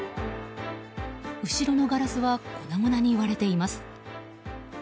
後ろのガラスは粉々に割れています。